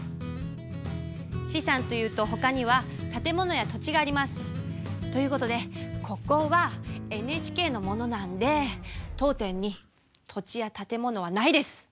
資産というとほかにはという事でここはＮＨＫのものなんで当店に土地や建物はないです。